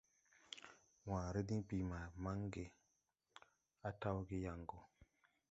Wããre diŋ bii mange, a taw ge yaŋ go.